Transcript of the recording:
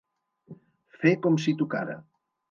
Fer com si tocara.